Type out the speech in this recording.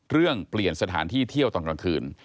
เรื่องเปลี่ยนสถานที่เที่ยวตอนกลางคืน